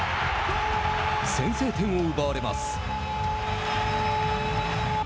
先制点を奪われます。